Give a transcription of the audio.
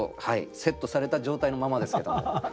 セットされた状態のままですけども。